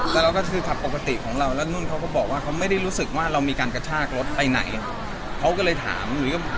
แล้วเราก็คือขับปกติของเราแล้วนุ่นเขาก็บอกว่าเขาไม่ได้รู้สึกว่าเรามีการกระชากรถไปไหนเขาก็เลยถาม